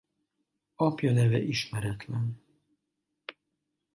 Apja neve ismeretlen.